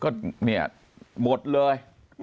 ก็เนี่ยหมดเลย